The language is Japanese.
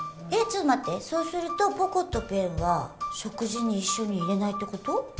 ちょっと待ってそうするとポコとペンは食事に一緒にいれないってこと？